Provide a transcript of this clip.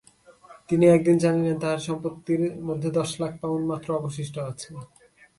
তিনি একদিন জানিলেন, তাঁহার সম্পত্তির মধ্যে দশ লক্ষ পাউণ্ড মাত্র অবশিষ্ট আছে।